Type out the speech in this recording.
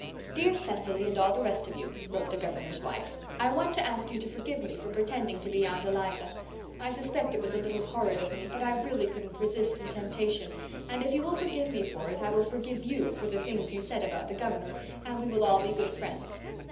"Dear Cecily and all the rest of you," wrote the Governor's wife, "I want to ask you to forgive me for pretending to be Aunt Eliza. I suspect it was a little horrid of me, but really I couldn't resist the temptation, and if you will forgive me for it I will forgive you for the things you said about the Governor, and we will all be good friends.